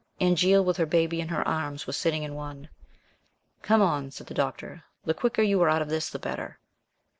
Angéle, with her baby in her arms, was sitting in one. "Come on," said the Doctor, "the quicker you are out of this the better."